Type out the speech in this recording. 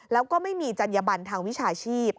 แล้วก็ไม่มีจัญญบันทางวิชาชีพ